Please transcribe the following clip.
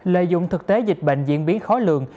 lợi dụng thực tế dịch bệnh diễn biến khó lường